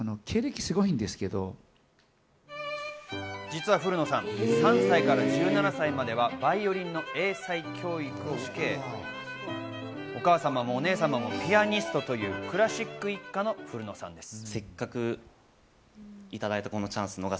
実は古野さん、３歳から１７歳まではバイオリンの英才教育を受け、お母さまもお姉さまもピアニストというクラシック一家の古野さんです。